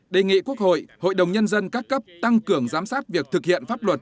đề nghị quốc hội hội đồng nhân dân các cấp tăng cường giám sát việc thực hiện pháp luật